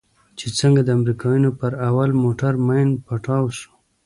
چې څنگه د امريکانو پر اول موټر ماين پټاو سو.